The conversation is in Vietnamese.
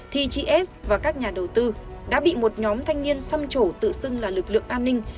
thì chị s và các nhà đầu tư đã bị một nhóm thanh niên xăm chỗ tự xưng là lực lượng an ninh